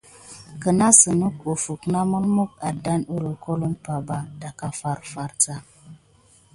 Kanasick ofuck na mulmuck adane àlékloe umpay ba dan farfar adan ba.